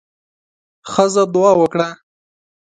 ښځه دعا وکړه.